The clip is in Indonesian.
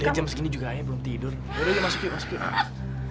udah jam segini juga ayah belum tidur yaudah masuk yuk masuk yuk